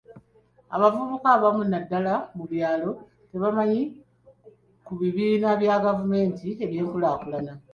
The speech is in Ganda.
Abavubuka abamu naddala mu byalo tebamanyi ku bibiina bya gavumenti eby'enkulaakulana.